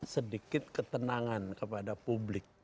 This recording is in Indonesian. sedikit ketenangan kepada publik